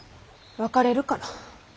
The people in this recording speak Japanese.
別れるから。